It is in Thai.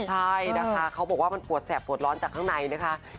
ใช่นะคะเขาบอกว่ามันปวดแสบปวดร้อนจากข้างในนะคะ